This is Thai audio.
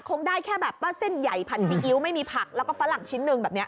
คงได้แค่แบบว่าเส้นใหญ่ผัดซีอิ๊วไม่มีผักแล้วก็ฝรั่งชิ้นหนึ่งแบบนี้